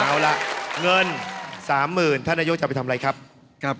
เอาล่ะเงิน๓๐๐๐ท่านนายกจะไปทำอะไรครับครับ